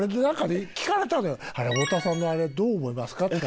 「太田さんのあれどう思いますか？」とか。